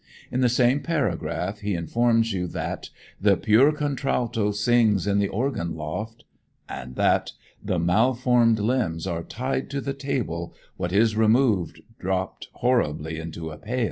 In the same paragraph he informs you that, "The pure contralto sings in the organ loft," and that "The malformed limbs are tied to the table, what is removed drop horribly into a pail."